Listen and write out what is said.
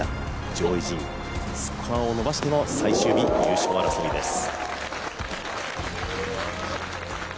上位陣、スコアを伸ばしての最終日優勝争いです。